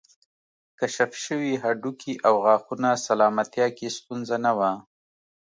کشف شوي هډوکي او غاښونه سلامتیا کې ستونزه نه وه